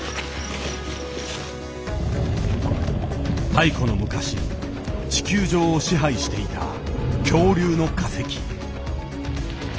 太古の昔地球上を支配していた恐竜の化石。